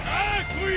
来い！